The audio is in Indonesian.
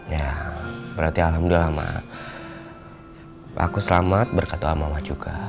ya berarti alhamdulillah mak aku selamat berkat doa mama juga